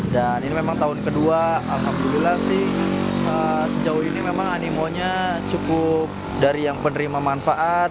dan ini memang tahun kedua alhamdulillah sih sejauh ini memang animonya cukup dari yang penerima manfaat